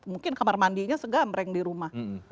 mungkin kamar mandinya segam reng di rumah